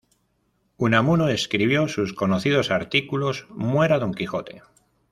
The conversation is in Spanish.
Unamuno escribió sus conocidos artículos "¡Muera Don Quijote!